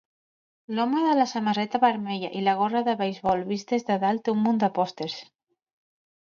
L'home de la samarreta vermella i la gorra de beisbol vist des de dalt té un munt de pòsters.